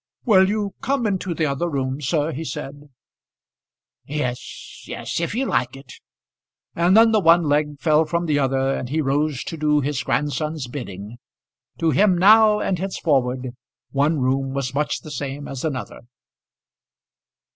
"Will you come into the other room, sir?" he said. "Yes, yes; if you like it." And then the one leg fell from the other, and he rose to do his grandson's bidding. To him now and henceforward one room was much the same as another.